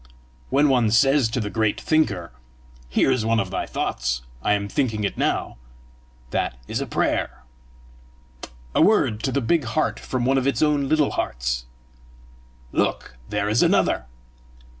When one says to the great Thinker: 'Here is one of thy thoughts: I am thinking it now!' that is a prayer a word to the big heart from one of its own little hearts. Look, there is another!"